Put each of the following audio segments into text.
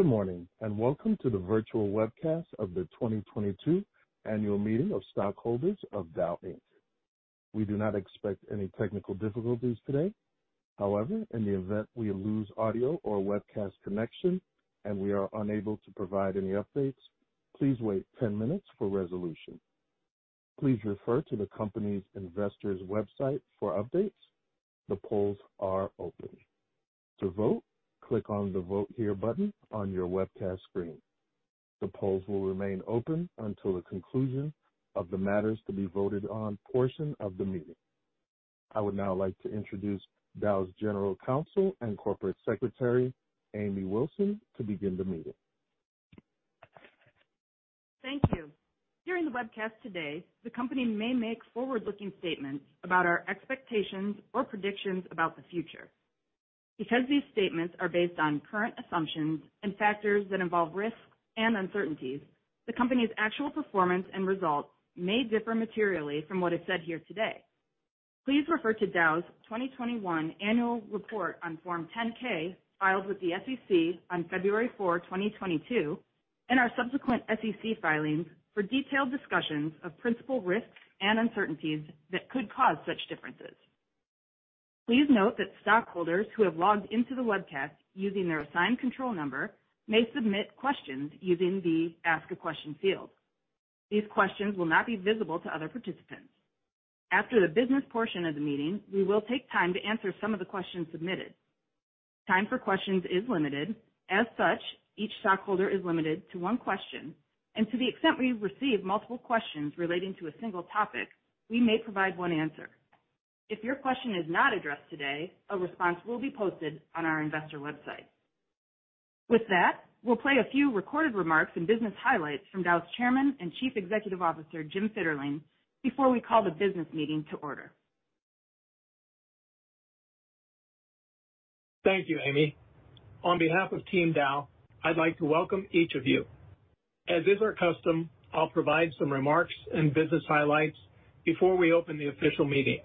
Good morning, and welcome to the virtual webcast of the 2022 Annual Meeting of Stockholders of Dow Inc. We do not expect any technical difficulties today. However, in the event we lose audio or webcast connection and we are unable to provide any updates, please wait 10 minutes for resolution. Please refer to the company's investors website for updates. The polls are open. To vote, click on the Vote Here button on your webcast screen. The polls will remain open until the conclusion of the matters to be voted on portion of the meeting. I would now like to introduce Dow's General Counsel and Corporate Secretary, Amy Wilson, to begin the meeting. Thank you. During the webcast today, the company may make forward-looking statements about our expectations or predictions about the future. Because these statements are based on current assumptions and factors that involve risks and uncertainties, the company's actual performance and results may differ materially from what is said here today. Please refer to Dow's 2021 annual report on Form 10-K, filed with the SEC on February 4, 2022, and our subsequent SEC filings for detailed discussions of principal risks and uncertainties that could cause such differences. Please note that stockholders who have logged into the webcast using their assigned control number may submit questions using the Ask a Question field. These questions will not be visible to other participants. After the business portion of the meeting, we will take time to answer some of the questions submitted. Time for questions is limited. As such, each stockholder is limited to one question. To the extent we receive multiple questions relating to a single topic, we may provide one answer. If your question is not addressed today, a response will be posted on our investor website. With that, we'll play a few recorded remarks and business highlights from Dow's Chairman and Chief Executive Officer, Jim Fitterling, before we call the business meeting to order. Thank you, Amy. On behalf of Team Dow, I'd like to welcome each of you. As is our custom, I'll provide some remarks and business highlights before we open the official meeting.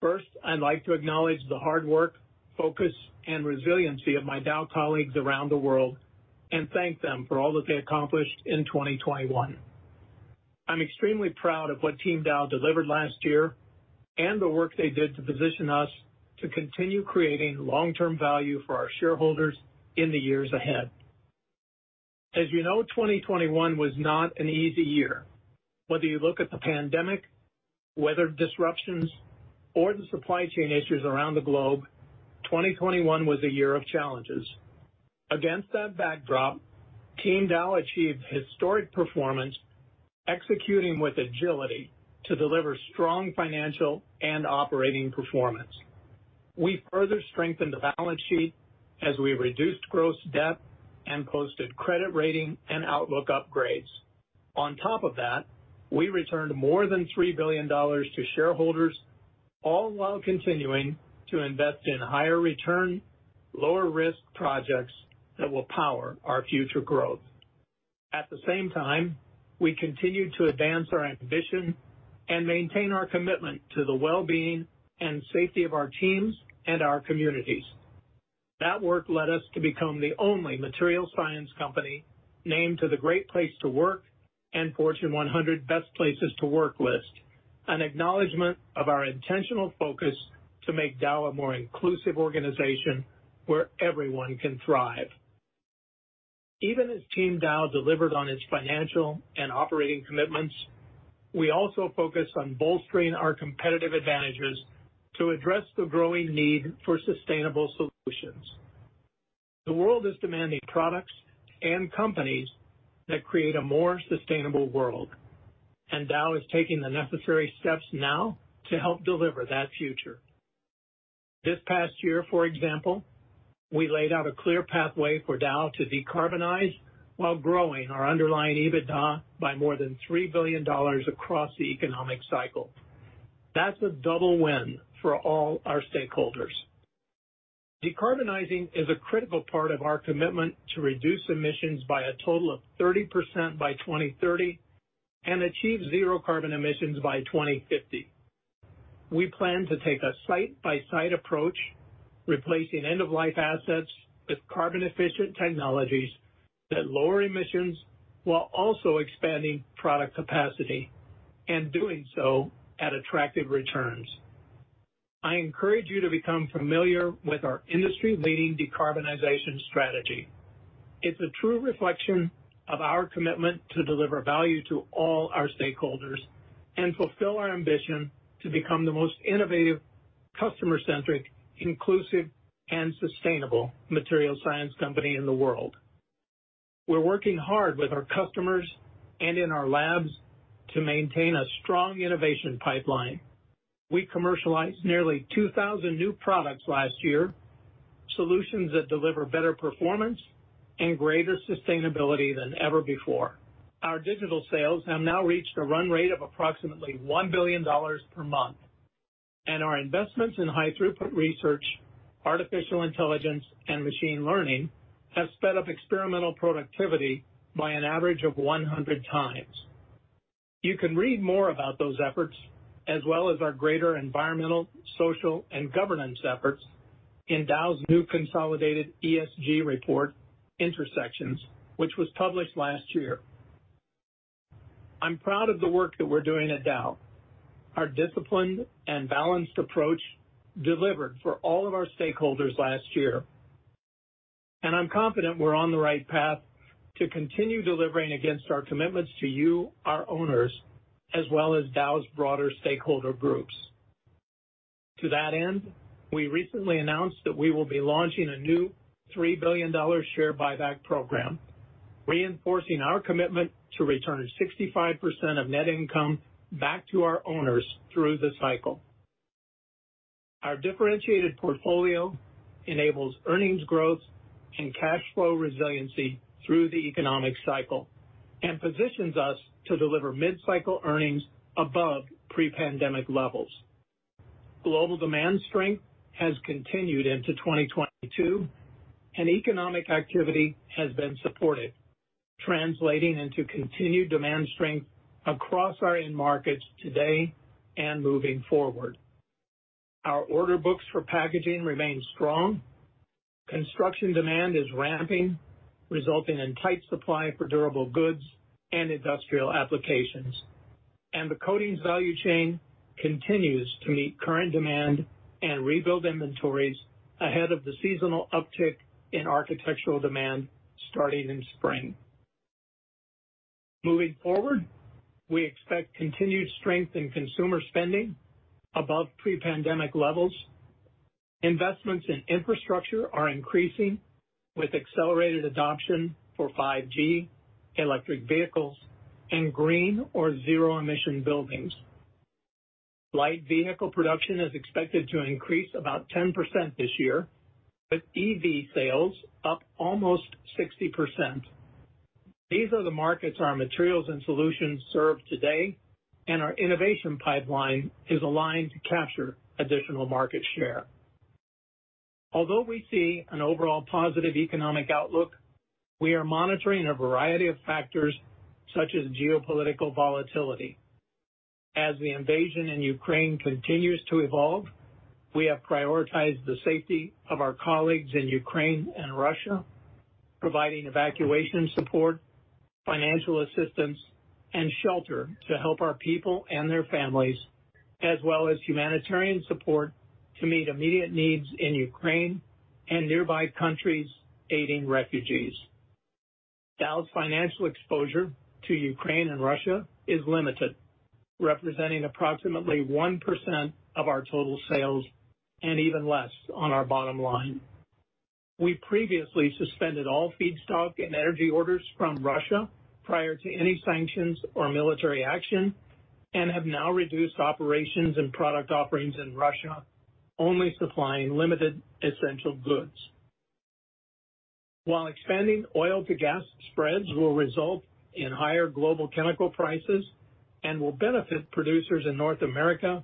First, I'd like to acknowledge the hard work, focus, and resiliency of my Dow colleagues around the world and thank them for all that they accomplished in 2021. I'm extremely proud of what Team Dow delivered last year and the work they did to position us to continue creating long-term value for our shareholders in the years ahead. As you know, 2021 was not an easy year. Whether you look at the pandemic, weather disruptions, or the supply chain issues around the globe, 2021 was a year of challenges. Against that backdrop, Team Dow achieved historic performance, executing with agility to deliver strong financial and operating performance. We further strengthened the balance sheet as we reduced gross debt and posted credit rating and outlook upgrades. On top of that, we returned more than $3 billion to shareholders, all while continuing to invest in higher return, lower risk projects that will power our future growth. At the same time, we continued to advance our ambition and maintain our commitment to the well-being and safety of our teams and our communities. That work led us to become the only materials science company named to the Great Place to Work and Fortune 100 Best Companies to Work For list, an acknowledgement of our intentional focus to make Dow a more inclusive organization where everyone can thrive. Even as Team Dow delivered on its financial and operating commitments, we also focused on bolstering our competitive advantages to address the growing need for sustainable solutions. The world is demanding products and companies that create a more sustainable world, and Dow is taking the necessary steps now to help deliver that future. This past year, for example, we laid out a clear pathway for Dow to decarbonize while growing our underlying EBITDA by more than $3 billion across the economic cycle. That's a double win for all our stakeholders. Decarbonizing is a critical part of our commitment to reduce emissions by a total of 30% by 2030 and achieve zero carbon emissions by 2050. We plan to take a site-by-site approach, replacing end-of-life assets with carbon efficient technologies that lower emissions while also expanding product capacity, and doing so at attractive returns. I encourage you to become familiar with our industry-leading decarbonization strategy. It's a true reflection of our commitment to deliver value to all our stakeholders and fulfill our ambition to become the most innovative, customer-centric, inclusive, and sustainable materials science company in the world. We're working hard with our customers and in our labs to maintain a strong innovation pipeline. We commercialized nearly 2,000 new products last year, solutions that deliver better performance and greater sustainability than ever before. Our digital sales have now reached a run rate of approximately $1 billion per month. Our investments in high throughput research, artificial intelligence, and machine learning have sped up experimental productivity by an average of 100x. You can read more about those efforts, as well as our greater environmental, social, and governance efforts in Dow's new consolidated ESG report, Intersections, which was published last year. I'm proud of the work that we're doing at Dow. Our disciplined and balanced approach delivered for all of our stakeholders last year. I'm confident we're on the right path to continue delivering against our commitments to you, our owners, as well as Dow's broader stakeholder groups. To that end, we recently announced that we will be launching a new $3 billion share buyback program, reinforcing our commitment to return 65% of net income back to our owners through the cycle. Our differentiated portfolio enables earnings growth and cash flow resiliency through the economic cycle and positions us to deliver mid-cycle earnings above pre-pandemic levels. Global demand strength has continued into 2022, and economic activity has been supported, translating into continued demand strength across our end markets today and moving forward. Our order books for packaging remain strong. Construction demand is ramping, resulting in tight supply for durable goods and industrial applications. The coatings value chain continues to meet current demand and rebuild inventories ahead of the seasonal uptick in architectural demand starting in spring. Moving forward, we expect continued strength in consumer spending above pre-pandemic levels. Investments in infrastructure are increasing with accelerated adoption for 5G, electric vehicles, and green or zero emission buildings. Light vehicle production is expected to increase about 10% this year, with EV sales up almost 60%. These are the markets our materials and solutions serve today, and our innovation pipeline is aligned to capture additional market share. Although we see an overall positive economic outlook, we are monitoring a variety of factors such as geopolitical volatility. As the invasion in Ukraine continues to evolve, we have prioritized the safety of our colleagues in Ukraine and Russia, providing evacuation support, financial assistance, and shelter to help our people and their families, as well as humanitarian support to meet immediate needs in Ukraine and nearby countries aiding refugees. Dow's financial exposure to Ukraine and Russia is limited, representing approximately 1% of our total sales and even less on our bottom line. We previously suspended all feedstock and energy orders from Russia prior to any sanctions or military action, and have now reduced operations and product offerings in Russia, only supplying limited essential goods. While expanding oil to gas spreads will result in higher global chemical prices and will benefit producers in North America,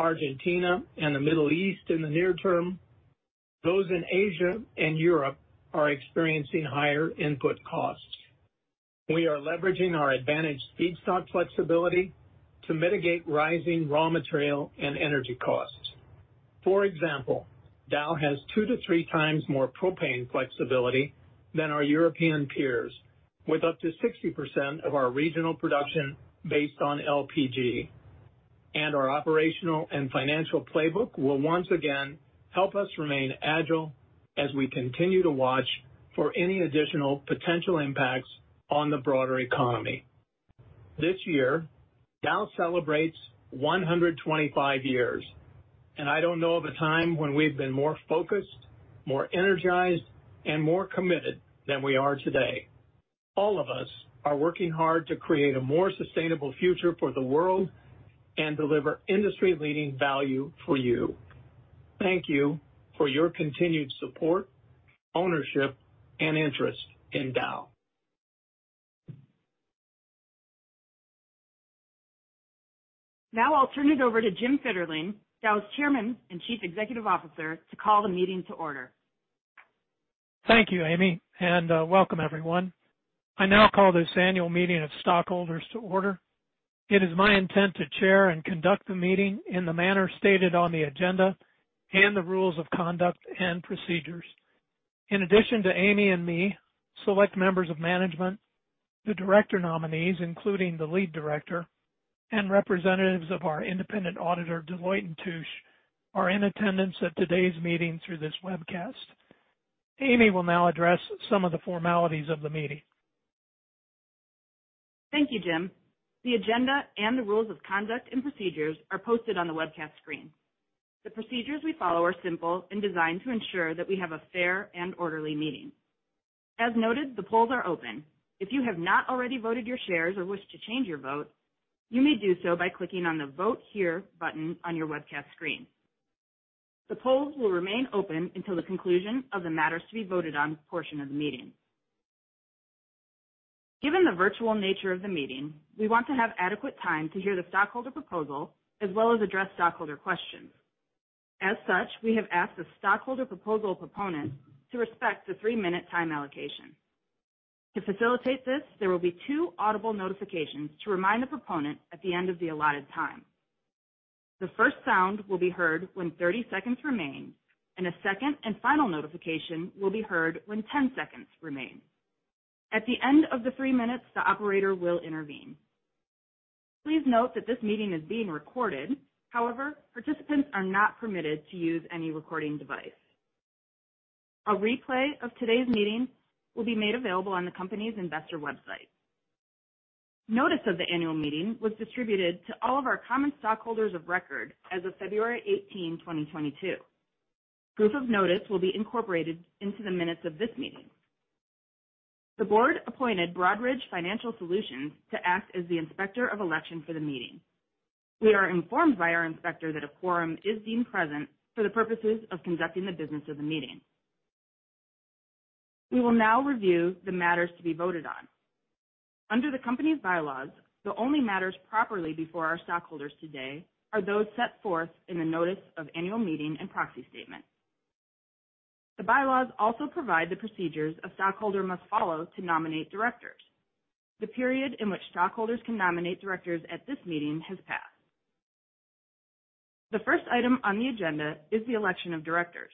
Argentina, and the Middle East in the near term, those in Asia and Europe are experiencing higher input costs. We are leveraging our advantage feedstock flexibility to mitigate rising raw material and energy costs. For example, Dow has 2-3x more propane flexibility than our European peers, with up to 60% of our regional production based on LPG. Our operational and financial playbook will once again help us remain agile as we continue to watch for any additional potential impacts on the broader economy. This year, Dow celebrates 125 years, and I don't know of a time when we've been more focused, more energized, and more committed than we are today. All of us are working hard to create a more sustainable future for the world and deliver industry-leading value for you. Thank you for your continued support, ownership, and interest in Dow. Now I'll turn it over to Jim Fitterling, Dow's Chairman and Chief Executive Officer to call the meeting to order. Thank you, Amy, and welcome everyone. I now call this annual meeting of stockholders to order. It is my intent to chair and conduct the meeting in the manner stated on the agenda and the rules of conduct and procedures. In addition to Amy and me, select members of management, the director nominees, including the lead director, and representatives of our independent auditor, Deloitte & Touche, are in attendance at today's meeting through this webcast. Amy will now address some of the formalities of the meeting. Thank you, Jim. The agenda and the rules of conduct and procedures are posted on the webcast screen. The procedures we follow are simple and designed to ensure that we have a fair and orderly meeting. As noted, the polls are open. If you have not already voted your shares or wish to change your vote, you may do so by clicking on the Vote Here button on your webcast screen. The polls will remain open until the conclusion of the matters to be voted on portion of the meeting. Given the virtual nature of the meeting, we want to have adequate time to hear the stockholder proposal as well as address stockholder questions. As such, we have asked the stockholder proposal proponent to respect the three-minute time allocation. To facilitate this, there will be two audible notifications to remind the proponent at the end of the allotted time. The first sound will be heard when 30 seconds remain, and a second and final notification will be heard when 10 seconds remain. At the end of the three minutes, the operator will intervene. Please note that this meeting is being recorded. However, participants are not permitted to use any recording device. A replay of today's meeting will be made available on the company's investor website. Notice of the annual meeting was distributed to all of our common stockholders of record as of February 18, 2022. Proof of notice will be incorporated into the minutes of this meeting. The board appointed Broadridge Financial Solutions to act as the inspector of election for the meeting. We are informed by our inspector that a quorum is deemed present for the purposes of conducting the business of the meeting. We will now review the matters to be voted on. Under the company's bylaws, the only matters properly before our stockholders today are those set forth in the notice of annual meeting and proxy statement. The bylaws also provide the procedures a stockholder must follow to nominate directors. The period in which stockholders can nominate directors at this meeting has passed. The first item on the agenda is the election of directors.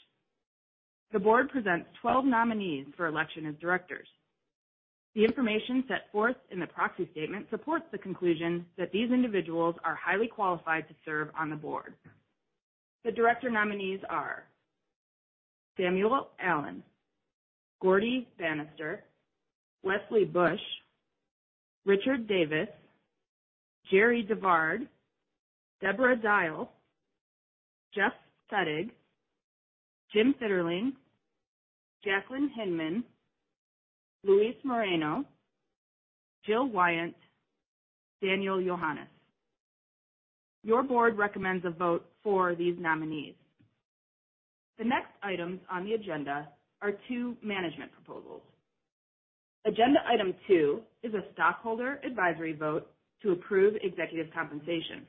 The Board presents 12 nominees for election as directors. The information set forth in the proxy statement supports the conclusion that these individuals are highly qualified to serve on the Board. The director nominees are Samuel Allen, Gaurdie Banister, Wesley Bush, Richard Davis, Jerri DeVard, Debra Dial, Jeff Fettig, Jim Fitterling, Jacqueline Hinman, Luis Moreno, Jill Wyant, Daniel Yohannes. Your Board recommends a vote for these nominees. The next items on the agenda are two management proposals. Agenda item two is a stockholder advisory vote to approve executive compensation.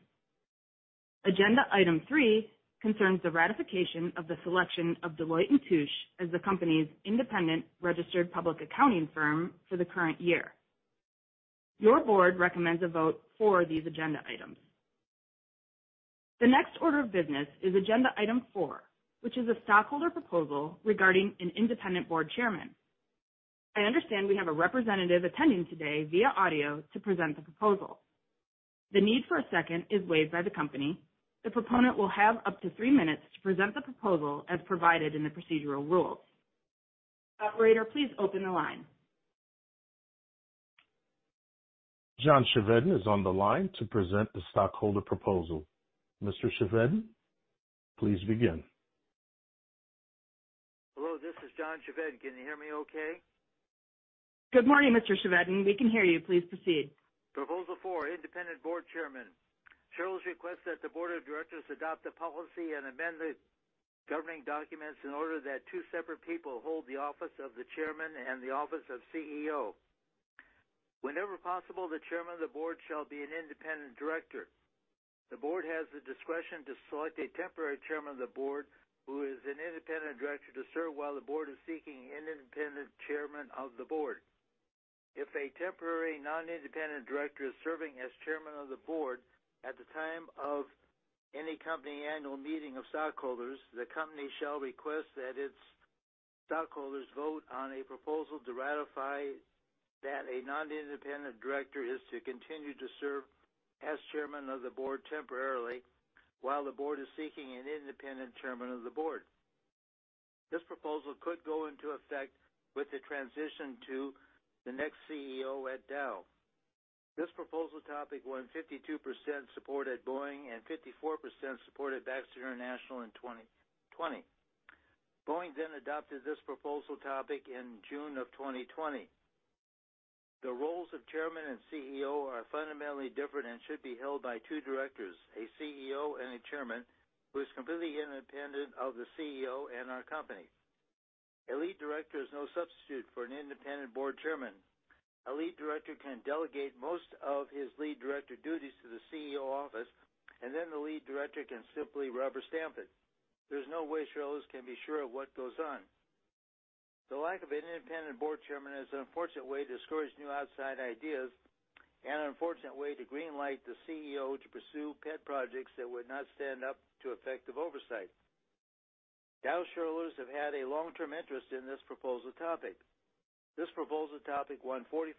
Agenda item three concerns the ratification of the selection of Deloitte & Touche as the company's independent registered public accounting firm for the current year. Your Board recommends a vote for these agenda items. The next order of business is agenda item four, which is a stockholder proposal regarding an independent board chairman. I understand we have a representative attending today via audio to present the proposal. The need for a second is waived by the company. The proponent will have up to three minutes to present the proposal as provided in the procedural rules. Operator, please open the line. John Chevedden is on the line to present the stockholder proposal. Mr. Chevedden, please begin. Hello, this is John Chevedden. Can you hear me okay? Good morning, Mr. Chevedden. We can hear you. Please proceed. Proposal four. Independent Board Chairman. Shareholders request that the board of directors adopt a policy and amend the governing documents in order that two separate people hold the office of the Chairman and the office of CEO. Whenever possible, the Chairman of the Board shall be an independent director. The Board has the discretion to select a temporary Chairman of the Board who is an independent director to serve while the Board is seeking an independent chairman of the board. If a temporary non-independent director is serving as Chairman of the Board at the time of any company annual meeting of stockholders, the company shall request that its stockholders vote on a proposal to ratify that a non-independent director is to continue to serve as Chairman of the Board temporarily while the board is seeking an independent chairman of the board. This proposal could go into effect with the transition to the next CEO at Dow. This proposal topic won 52% support at Boeing and 54% support at Baxter International in 2020. Boeing then adopted this proposal topic in June of 2020. The roles of Chairman and CEO are fundamentally different and should be held by two directors, a CEO and a chairman who is completely independent of the CEO and our company. A Lead Director is no substitute for an independent board chairman. A Lead Director can delegate most of his lead director duties to the CEO office, and then the lead director can simply rubber stamp it. There's no way shareholders can be sure of what goes on. The lack of an independent board chairman is an unfortunate way to discourage new outside ideas and an unfortunate way to green light the CEO to pursue pet projects that would not stand up to effective oversight. Dow shareholders have had a long-term interest in this proposal topic. This proposal topic won 44%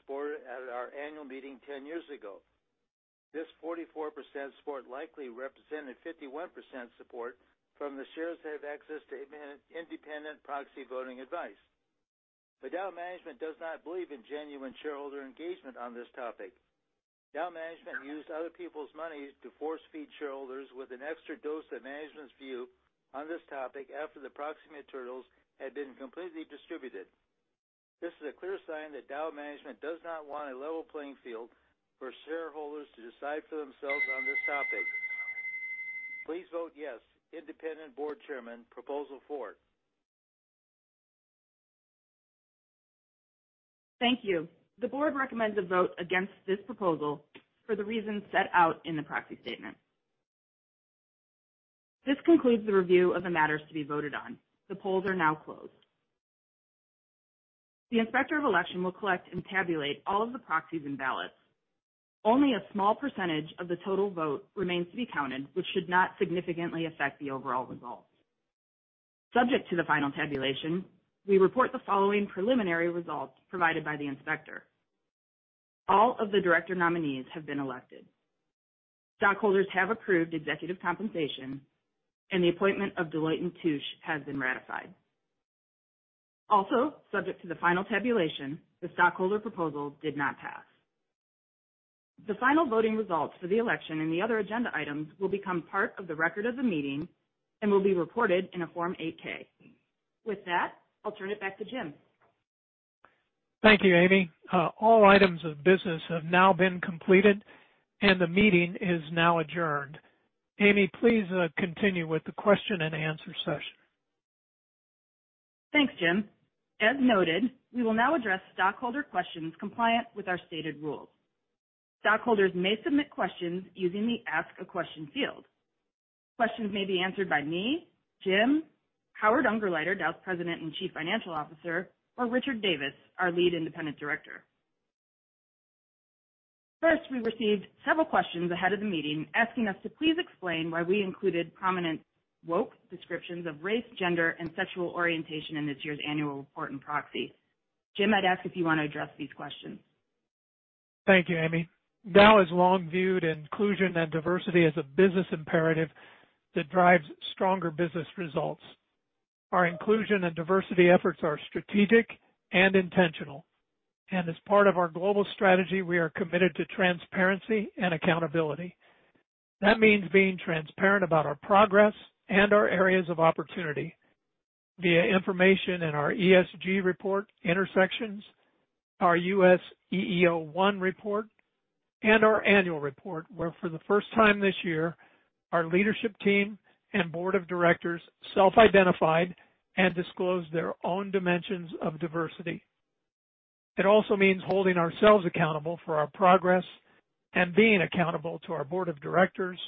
support at our annual meeting 10 years ago. This 44% support likely represented 51% support from the shareholders that have access to independent proxy voting advice. The Dow management does not believe in genuine shareholder engagement on this topic. Dow management used other people's money to force-feed shareholders with an extra dose of management's view on this topic after the proxy materials had been completely distributed. This is a clear sign that Dow management does not want a level playing field for shareholders to decide for themselves on this topic. Please vote yes. Independent Board Chairman. Proposal four. Thank you. The Board recommends a vote against this proposal for the reasons set out in the proxy statement. This concludes the review of the matters to be voted on. The polls are now closed. The Inspector of Election will collect and tabulate all of the proxies and ballots. Only a small percentage of the total vote remains to be counted, which should not significantly affect the overall results. Subject to the final tabulation, we report the following preliminary results provided by the inspector. All of the director nominees have been elected. Stockholders have approved executive compensation and the appointment of Deloitte & Touche has been ratified. Also, subject to the final tabulation, the stockholder proposal did not pass. The final voting results for the election and the other agenda items will become part of the record of the meeting and will be reported in a Form 8-K. With that, I'll turn it back to Jim. Thank you, Amy. All items of business have now been completed and the meeting is now adjourned. Amy, please, continue with the Q&A session. Thanks, Jim. As noted, we will now address stockholder questions compliant with our stated rules. Stockholders may submit questions using the Ask a Question field. Questions may be answered by me, Jim, Howard Ungerleider, Dow's President and Chief Financial Officer, or Richard Davis, our Lead Independent Director. First, we received several questions ahead of the meeting asking us to please explain why we included prominent woke descriptions of race, gender, and sexual orientation in this year's annual report and proxy. Jim, I'd ask if you wanna address these questions. Thank you, Amy. Dow has long viewed inclusion and diversity as a business imperative that drives stronger business results. Our inclusion and diversity efforts are strategic and intentional. As part of our global strategy, we are committed to transparency and accountability. That means being transparent about our progress and our areas of opportunity via information in our ESG report, Intersections, our U.S. EEO-1 report, and our annual report, where for the first time this year, our leadership team and board of directors self-identified and disclosed their own dimensions of diversity. It also means holding ourselves accountable for our progress and being accountable to our board of directors,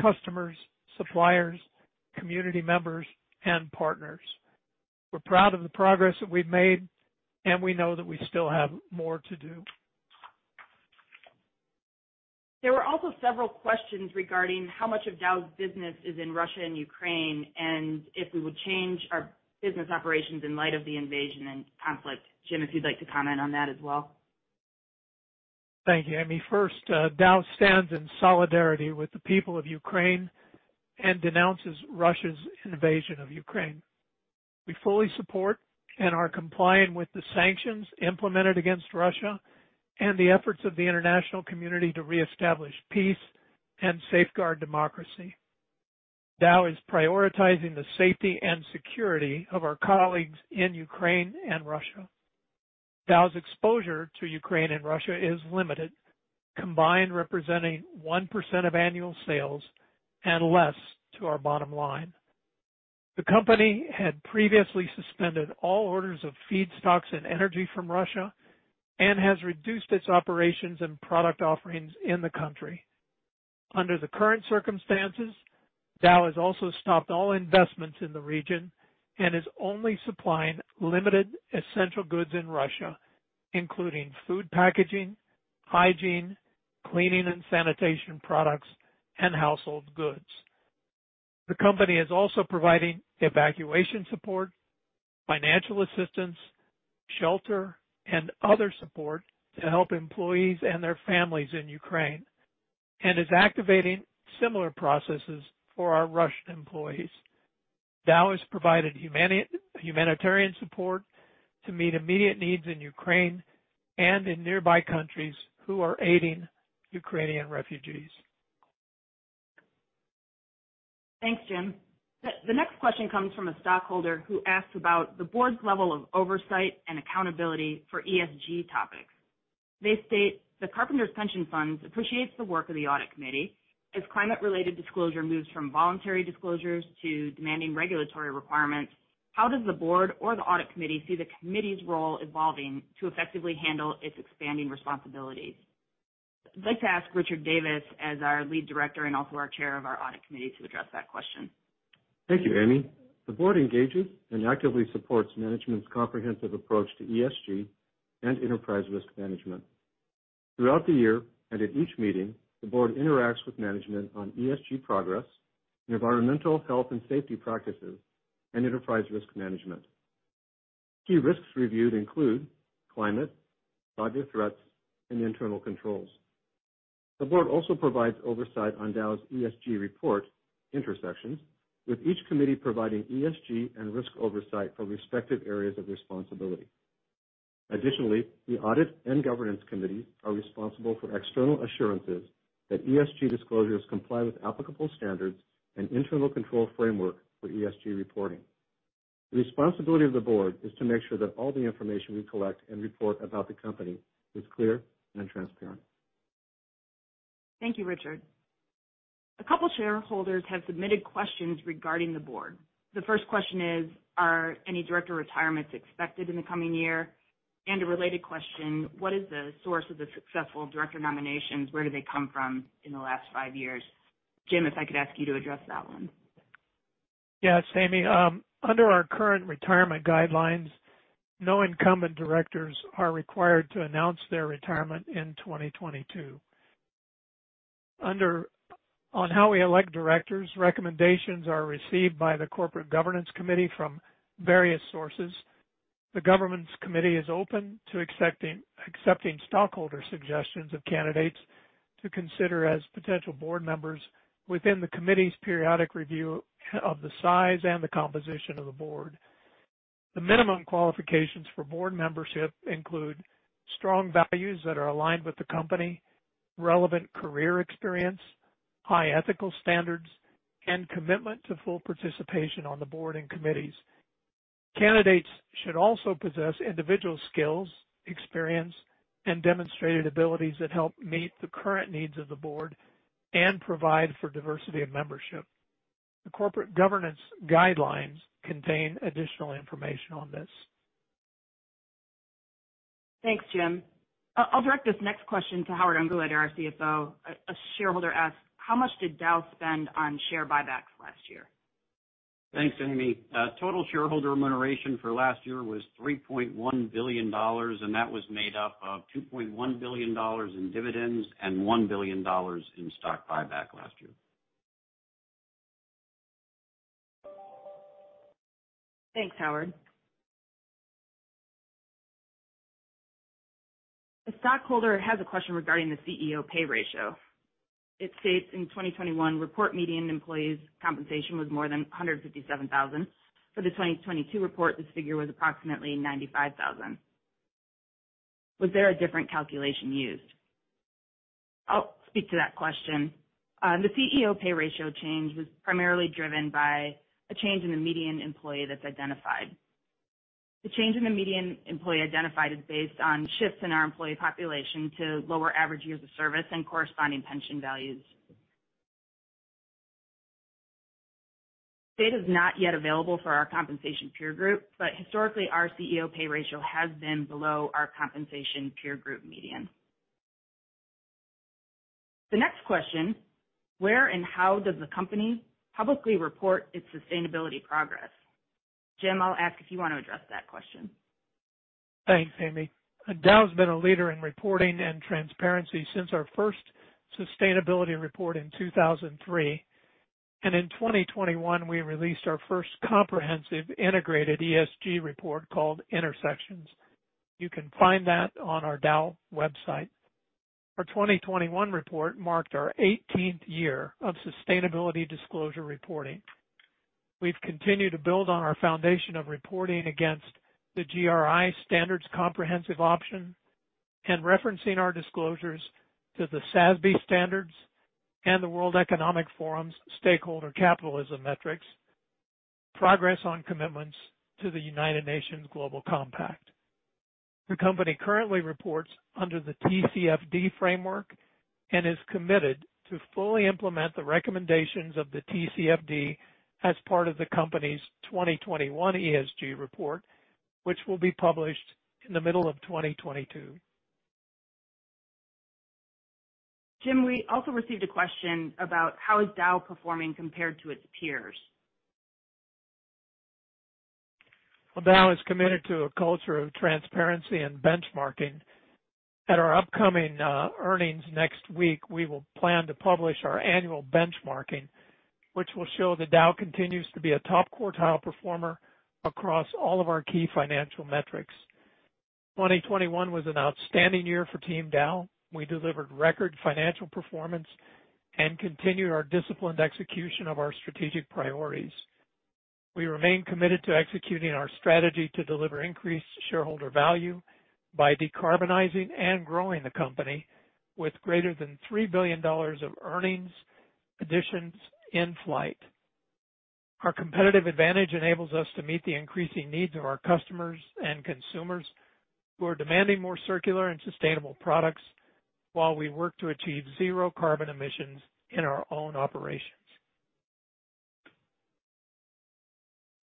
customers, suppliers, community members, and partners. We're proud of the progress that we've made, and we know that we still have more to do. There were also several questions regarding how much of Dow's business is in Russia and Ukraine, and if we would change our business operations in light of the invasion and conflict. Jim, if you'd like to comment on that as well. Thank you, Amy. First, Dow stands in solidarity with the people of Ukraine and denounces Russia's invasion of Ukraine. We fully support and are complying with the sanctions implemented against Russia and the efforts of the international community to reestablish peace and safeguard democracy. Dow is prioritizing the safety and security of our colleagues in Ukraine and Russia. Dow's exposure to Ukraine and Russia is limited, combined representing 1% of annual sales and less to our bottom line. The company had previously suspended all orders of feedstocks and energy from Russia and has reduced its operations and product offerings in the country. Under the current circumstances, Dow has also stopped all investments in the region and is only supplying limited essential goods in Russia, including food packaging, hygiene, cleaning and sanitation products, and household goods. The company is also providing evacuation support, financial assistance, shelter and other support to help employees and their families in Ukraine, and is activating similar processes for our Russian employees. Dow has provided humanitarian support to meet immediate needs in Ukraine and in nearby countries who are aiding Ukrainian refugees. Thanks, Jim. The next question comes from a stockholder who asks about the board's level of oversight and accountability for ESG topics. They state the Carpenters Pension Funds appreciates the work of the audit committee. As climate related disclosure moves from voluntary disclosures to demanding regulatory requirements, how does the board or the audit committee see the committee's role evolving to effectively handle its expanding responsibilities? I'd like to ask Richard Davis as our Lead Director and also our Chair of our Audit Committee to address that question. Thank you, Amy. The board engages and actively supports management's comprehensive approach to ESG and enterprise risk management. Throughout the year and at each meeting, the board interacts with management on ESG progress, environmental health and safety practices, and enterprise risk management. Key risks reviewed include climate, cyber threats, and internal controls. The board also provides oversight on Dow's ESG report, Intersections, with each committee providing ESG and risk oversight for respective areas of responsibility. Additionally, the audit and governance committee are responsible for external assurances that ESG disclosures comply with applicable standards and internal control framework for ESG reporting. The responsibility of the board is to make sure that all the information we collect and report about the company is clear and transparent. Thank you, Richard. A couple shareholders have submitted questions regarding the board. The first question is, are any director retirements expected in the coming year? A related question, what is the source of the successful director nominations? Where do they come from in the last five years? Jim, if I could ask you to address that one. Yes, Amy. Under our current retirement guidelines, no incumbent directors are required to announce their retirement in 2022. On how we elect directors, recommendations are received by the Corporate Governance Committee from various sources. The Governance Committee is open to accepting stockholder suggestions of candidates to consider as potential board members within the committee's periodic review of the size and the composition of the board. The minimum qualifications for board membership include strong values that are aligned with the company, relevant career experience, high ethical standards, and commitment to full participation on the board and committees. Candidates should also possess individual skills, experience, and demonstrated abilities that help meet the current needs of the board and provide for diversity of membership. The corporate governance guidelines contain additional information on this. Thanks, Jim. I'll direct this next question to Howard Ungerleider, our CFO. A shareholder asks, "How much did Dow spend on share buybacks last year? Thanks, Amy. Total shareholder remuneration for last year was $3.1 billion, and that was made up of $2.1 billion in dividends and $1 billion in stock buyback last year. Thanks, Howard. A stockholder has a question regarding the CEO pay ratio. It states in 2021, reported median employee's compensation was more than $157,000. For the 2022 report, this figure was approximately $95,000. Was there a different calculation used? I'll speak to that question. The CEO pay ratio change was primarily driven by a change in the median employee that's identified. The change in the median employee identified is based on shifts in our employee population to lower average years of service and corresponding pension values. Data is not yet available for our compensation peer group, but historically, our CEO pay ratio has been below our compensation peer group median. The next question, where and how does the company publicly report its sustainability progress? Jim, I'll ask if you wanna address that question. Thanks, Amy. Dow has been a leader in reporting and transparency since our first sustainability report in 2003. In 2021, we released our first comprehensive integrated ESG report called Intersections. You can find that on our Dow website. Our 2021 report marked our 18th-year of sustainability disclosure reporting. We've continued to build on our foundation of reporting against the GRI Standards Comprehensive Option and referencing our disclosures to the SASB standards and the World Economic Forum's stakeholder capitalism metrics, progress on commitments to the United Nations Global Compact. The company currently reports under the TCFD framework and is committed to fully implement the recommendations of the TCFD as part of the company's 2021 ESG report, which will be published in the middle of 2022. Jim, we also received a question about how is Dow performing compared to its peers. Well, Dow is committed to a culture of transparency and benchmarking. At our upcoming earnings next week, we will plan to publish our annual benchmarking, which will show that Dow continues to be a top quartile performer across all of our key financial metrics. 2021 was an outstanding year for Team Dow. We delivered record financial performance and continued our disciplined execution of our strategic priorities. We remain committed to executing our strategy to deliver increased shareholder value by decarbonizing and growing the company with greater than $3 billion of earnings additions in flight. Our competitive advantage enables us to meet the increasing needs of our customers and consumers, who are demanding more circular and sustainable products while we work to achieve zero carbon emissions in our own operations.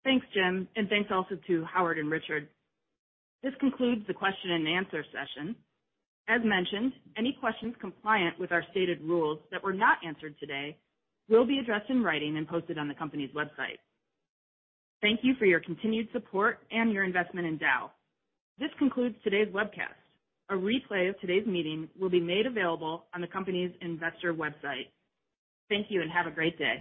Thanks, Jim, and thanks also to Howard and Richard. This concludes the Q&A session. As mentioned, any questions compliant with our stated rules that were not answered today will be addressed in writing and posted on the company's website. Thank you for your continued support and your investment in Dow. This concludes today's webcast. A replay of today's meeting will be made available on the company's investor website. Thank you and have a great day.